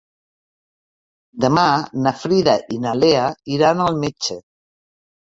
Demà na Frida i na Lea iran al metge.